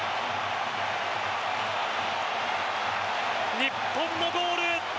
日本のゴール。